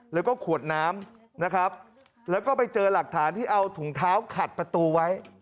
แล้วก็ขวดน้ำนะครับแล้วก็ไปเจอหลักฐานที่เอาถุงเท้าขัดประตูไว้